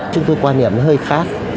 chúng tôi quan niệm nó hơi khác